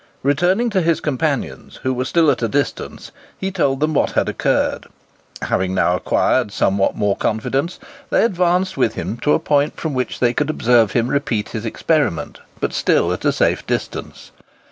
Returning to his companions, who were still at a distance, he told them what had occurred. Having now acquired somewhat more confidence, they advanced with him to a point from which they could observe him repeat his experiment, but still at a safe distance.